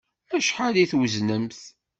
Acḥal i tweznemt?